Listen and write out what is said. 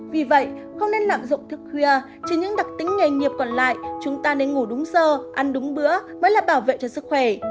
vì vậy không nên lạm dụng thức khuya trừ những đặc tính nghề nghiệp còn lại chúng ta nên ngủ đúng sơ ăn đúng bữa mới là bảo vệ cho sức khỏe